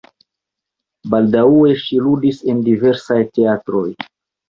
Baldaŭe ŝi ludis en diversaj teatroj.